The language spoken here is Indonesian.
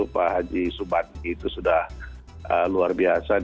pak haji subandi itu sudah luar biasa